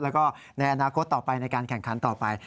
แล้วก็ในอนาคตต่อไปในการแข่งขันต่อไป